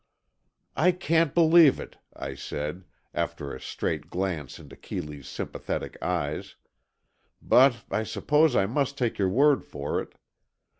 "I can't believe it," I said, after a straight glance into Keeley's sympathetic eyes, "but I suppose I must take your word for it.